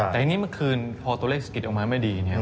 แต่ทีนี้เมื่อคืนพอตัวเลขสะกิดออกมาไม่ดีเนี่ย